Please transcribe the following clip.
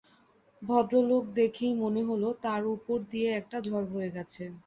ভদ্রলোককে দেখেই মনে হল তাঁর ওপর দিয়ে একটা ঝড় বয়ে গেছে।